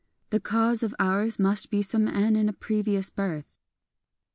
The cause of ours must be some En in a previous birth.